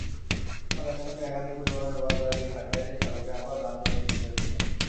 ফলে একসঙ্গে একাধিক পরিবহনের বাস দাঁড়িয়ে থাকায় সড়কে আবার যানজট সৃষ্টি হচ্ছে।